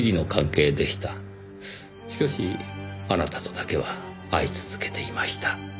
しかしあなたとだけは会い続けていました。